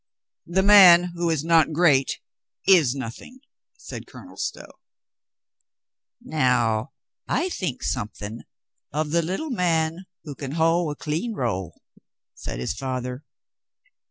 "The man who is not great is nothing," said Colonel Stow. "Now, I think something of the little man who can hoe a clean row," said his father.